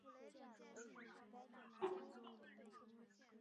番樱桃葛圆盾介壳虫为盾介壳虫科桃葛圆盾介壳虫属下的一个种。